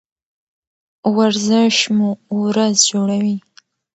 ورزش مو ورځ جوړوي.